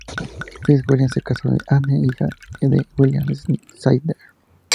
FitzWilliam se casó con Anne, hija de William Sidney.